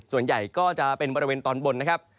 ส่วนใหญ่ก็จะเป็นบริเวณตอนบนนะครับ